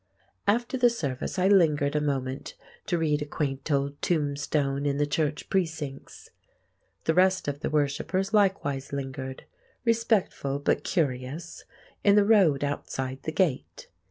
After the service I lingered a moment to read a quaint old tombstone in the church precincts. The rest of the worshippers likewise lingered—respectful but curious—in the road outside the gate.